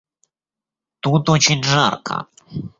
Тут очень жарко.